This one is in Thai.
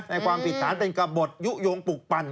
ความผิดฐานเป็นกระบดยุโยงปลูกปั่น